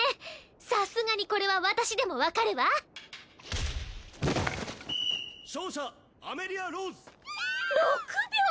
さすがにこれは私でも分かるわ勝者アメリア＝ローズ！きゃアメリア様！